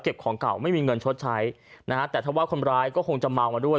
ของเก่าไม่มีเงินชดใช้นะฮะแต่ถ้าว่าคนร้ายก็คงจะเมามาด้วย